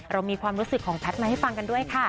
เรามีความรู้สึกของแพทย์มาให้ฟังกันด้วยค่ะ